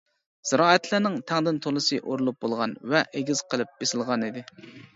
زىرائەتلەرنىڭ تەڭدىن تولىسى ئورۇلۇپ بولغان ۋە ئېگىز قىلىپ بېسىلغانىدى.